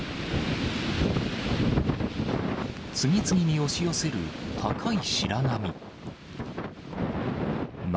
次々に押し寄せる高い白波。